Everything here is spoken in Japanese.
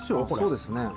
そうですね。